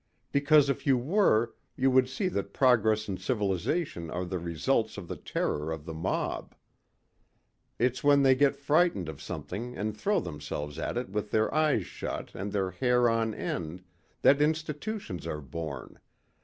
"Because if you were you would see that progress and civilization are the results of the terror of the mob. It's when they get frightened of something and throw themselves at it with their eyes shut and their hair on end, that institutions are born